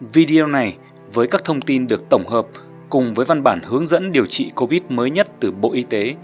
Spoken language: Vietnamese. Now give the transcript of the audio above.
video này với các thông tin được tổng hợp cùng với văn bản hướng dẫn điều trị covid mới nhất từ bộ y tế